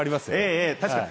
ええ、ええ、確かに。